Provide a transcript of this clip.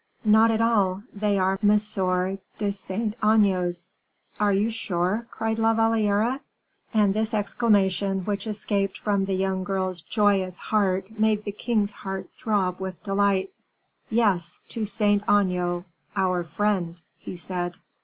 "Not at all; they are M. de Saint Aignan's." "Are you sure?" cried La Valliere; and this exclamation which escaped from the young girl's joyous heart made the king's heart throb with delight. "Yes, to Saint Aignan, our friend," he said.